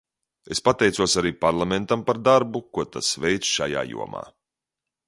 Es pateicos arī Parlamentam par darbu, ko tas veic šajā jomā.